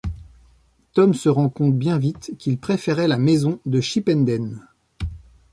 Tom se rend compte bien vite qu'il préférait la maison de Chipenden.